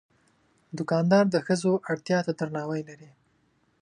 دوکاندار د ښځو اړتیا ته درناوی لري.